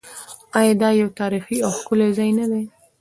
آیا دا یو تاریخي او ښکلی ځای نه دی؟